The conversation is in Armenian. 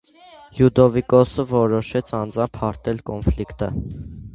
Լյուդովիկոսը որոշեց անձամբ հարթել կոնֆլիկտը։